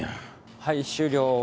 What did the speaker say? はい終了。